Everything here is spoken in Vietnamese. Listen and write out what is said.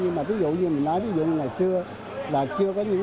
nhưng mà thí dụ như mình nói thí dụ ngày xưa là chưa có những